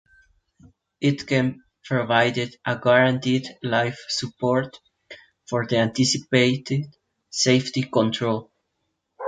It can provided a guaranteed life support for the anticipated safety control.